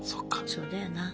そうだよな。